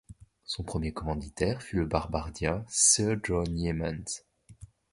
Son premier commanditaire fut le barbadien sir John Yeamans.